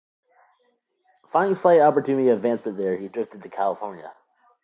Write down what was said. Finding slight opportunity of advancement there he drifted to California.